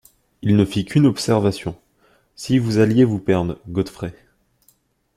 Il ne fit qu’une observation: « Si vous alliez vous perdre, Godfrey?